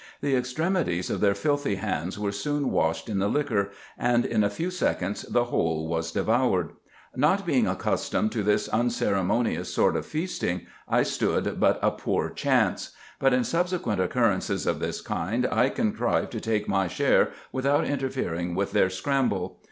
The extremities of their filthy hands were soon washed in the liquor, and in a few seconds the whole was devoured. Not being accustomed to this unceremonious sort of feasting, I stood but a poor chance ; but in subsequent occurrences of this kind I contrived to take my share without interfering with their scramble.